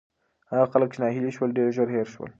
هغه خلک چې ناهیلي شول، ډېر ژر هېر شول.